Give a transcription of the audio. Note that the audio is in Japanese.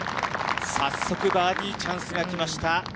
早速バーディーチャンスがきました。